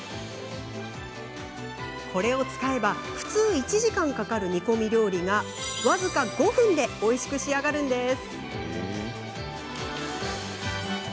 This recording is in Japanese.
これを使えば普通１時間かかる煮込み料理が僅か５分でおいしく仕上がるんです。